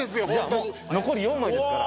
残り４枚ですから。